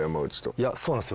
いやそうなんですよ。